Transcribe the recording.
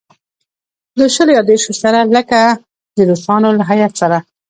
له شلو یا دېرشوتنو سره لکه د روسانو له هیات سره.